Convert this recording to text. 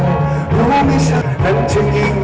ขอบคุณคุณสุขชีวิต